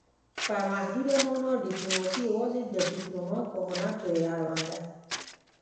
په محدوده مانا ډیپلوماسي یوازې د ډیپلومات په هنر پورې اړوند ده